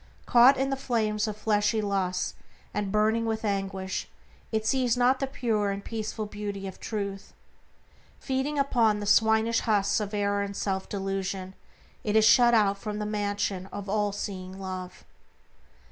Caught in the flames of fleshly lusts, and burning with anguish, it sees not the pure and peaceful beauty of Truth. Feeding upon the swinish husks of error and self delusion, it is shut out from the mansion of all seeing Love.